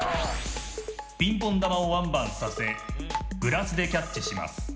ピンポン玉をワンバンさせグラスでキャッチします。